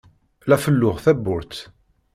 La felluɣ tawwurt.